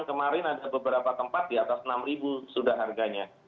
kemarin ada beberapa tempat di atas rp enam sudah harganya